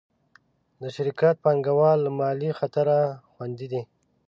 د شرکت پانګهوال له مالي خطره خوندي دي.